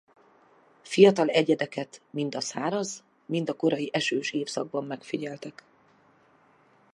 Fiatal egyedeket mind a száraz mind a korai esős évszakban megfigyeltek.